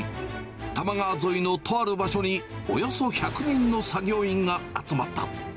多摩川沿いのとある場所に、およそ１００人の作業員が集まった。